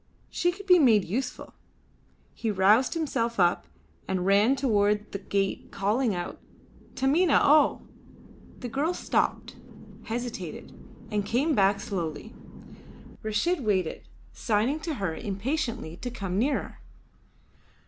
She could be made useful. He roused himself up and ran towards the gate calling out, "Taminah O!" The girl stopped, hesitated, and came back slowly. Reshid waited, signing to her impatiently to come nearer.